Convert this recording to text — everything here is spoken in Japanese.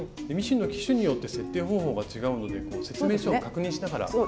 ミシンの機種によって設定方法が違うので説明書を確認しながら。